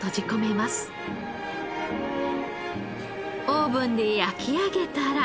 オーブンで焼き上げたら。